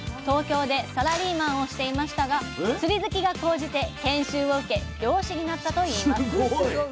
東京でサラリーマンをしていましたが釣り好きが高じて研修を受け漁師になったといいますえ？